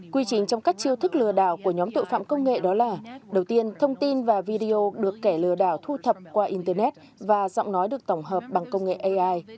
quy trình trong các chiêu thức lừa đảo của nhóm tội phạm công nghệ đó là đầu tiên thông tin và video được kẻ lừa đảo thu thập qua internet và giọng nói được tổng hợp bằng công nghệ ai